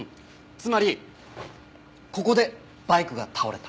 つまりここでバイクが倒れた。